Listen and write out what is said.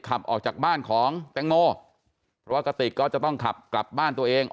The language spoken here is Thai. ขับออกจากบ้านของแตงโมเพราะว่ากะติกก็จะต้องขับกลับบ้านตัวเอง